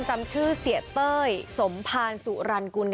จำชื่อเสียเต้ยสมภารสุรรณกุล